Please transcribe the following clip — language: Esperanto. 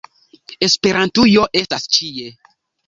Esperantujo estas ĉie!